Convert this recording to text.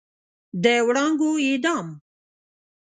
د وړانګو اعدام